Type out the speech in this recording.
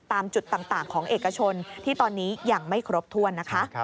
ตามจุดต่างของเอกชนที่ตอนนี้ยังไม่ครบถ้วนนะคะ